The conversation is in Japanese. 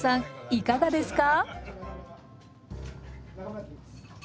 いかがですか？